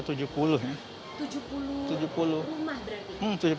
tujuh puluh rumah berarti